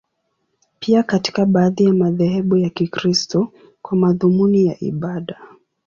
Pia katika baadhi ya madhehebu ya Kikristo, kwa madhumuni ya ibada.